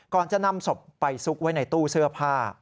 ก่อนจะนำศพไปซุกไว้ในตู้เสื้อผ้า